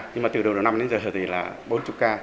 nhưng mà từ đầu năm đến giờ thì là bốn mươi ca